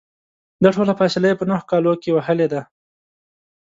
دا ټوله فاصله یې په نهو کالو کې وهلې ده.